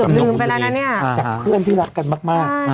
ลืมไปแล้วนะเนี่ยจากเพื่อนที่รักกันมาก